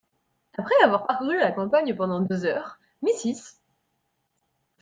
Après avoir parcouru la campagne pendant deux heures, Mrs.